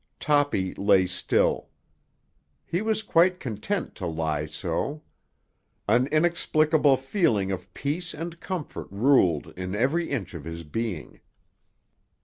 Toppy lay still. He was quite content to lie so. An inexplicable feeling of peace and comfort ruled in every inch of his being.